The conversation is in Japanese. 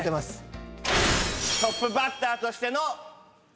トップバッターとしての。